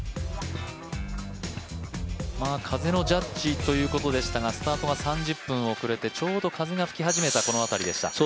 風のジャッジということでしたがスタートが３０分遅れてちょうど風が吹き始めたこの辺りでした。